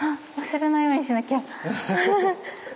忘れないようにしなきゃ。